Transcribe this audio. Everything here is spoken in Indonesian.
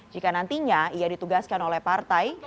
jika nantinya ia ditugaskan oleh partai